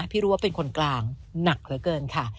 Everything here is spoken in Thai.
รู้ว่าเป็นคนกลางหนักเหลือเกินค่ะ